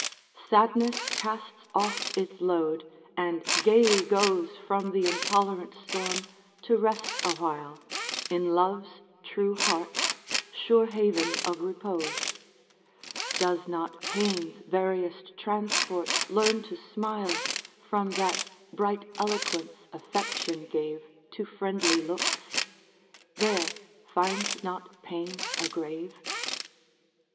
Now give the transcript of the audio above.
Sadness casts off its load, and gayly goes From the intolerant storm to rest awhile, In love's true heart, sure haven of repose; Does not pain's veriest transports learn to smile From that bright eloquence affection gave To friendly looks? there, finds not pain a grave?